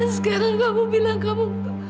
sekarang kamu bilang kamu